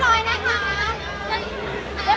สวัสดีครับ